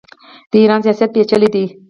د ایران سیاست پیچلی دی.